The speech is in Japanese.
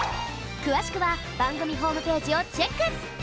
くわしくはばんぐみホームページをチェック！